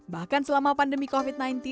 bahkan selama pandemi covid sembilan belas